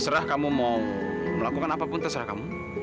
terserah kamu mau melakukan apa pun terserah kamu